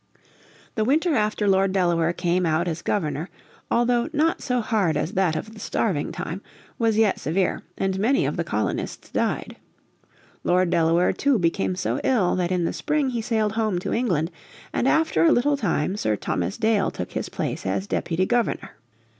The winter after Lord Delaware came out as Governor, although not so hard as that of the Starving Time, was yet severe, and many of the colonists died. Lord Delaware, too, became so ill that in the spring he sailed home to England, and after a little time Sir Thomas Dale took his place as Deputy Governor.